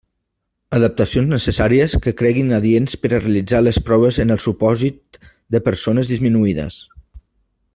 Adaptacions necessàries que creguin adients per realitzar les proves en el supòsit de persones disminuïdes.